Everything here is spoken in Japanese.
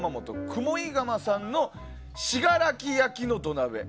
雲井窯さんの信楽焼の土鍋。